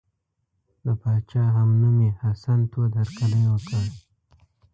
د پاچا همنومي حسن تود هرکلی وکړ.